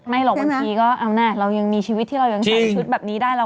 หรอกบางทีก็เอานะเรายังมีชีวิตที่เรายังใส่ชุดแบบนี้ได้